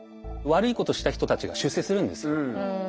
悪いことした人たちが出世するんですよ。